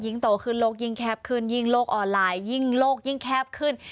โตขึ้นโลกยิ่งแคบขึ้นยิ่งโลกออนไลน์ยิ่งโลกยิ่งแคบขึ้น